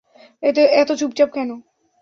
এতো চুপচাপ কেন?